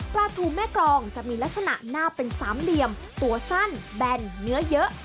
ปลาทูแม่กรองจะมีลักษณะหน้าเป็นสามเหลี่ยมตัวสั้นแบนเนื้อเยอะ